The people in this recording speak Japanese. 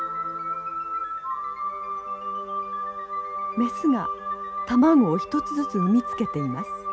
メスが卵を一つずつ産み付けています。